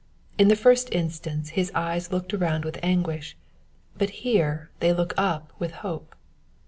In the first instance his eyes looked around tmth anguish, but here they look up with hope.